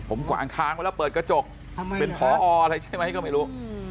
ผมกวางทางไว้แล้วเปิดกระจกเป็นพออะไรใช่ไหมก็ไม่รู้